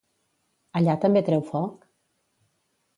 Allà també treu foc?